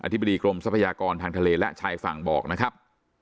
อธิบดีกรมทางทะเลและชายฝั่งบอกนะครับ